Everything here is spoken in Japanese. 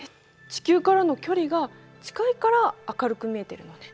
地球からの距離が近いから明るく見えてるのね。